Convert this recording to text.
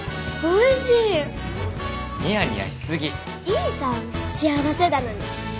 いいさあ幸せだのに。